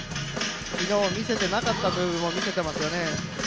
昨日見せてなかった部分も見せていますよね。